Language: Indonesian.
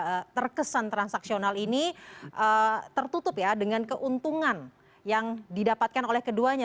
manuver sandi yang cukup cair kemudian terkesan transaksional ini tertutup ya dengan keuntungan yang didapatkan oleh keduanya